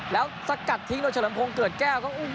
แล้วสกัดทิ้งโดยเฉลิมโพงเกิดแก้ว